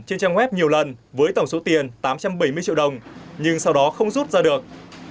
trên trang web nhiều lần với tổng số tiền tám trăm bảy mươi triệu đồng nhưng sau đó không rút ra được